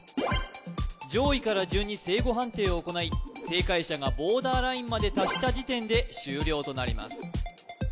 上位から順に正誤判定を行い正解者がボーダーラインまで達した時点で終了となります